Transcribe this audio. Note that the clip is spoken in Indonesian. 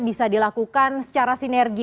bisa dilakukan secara sinergi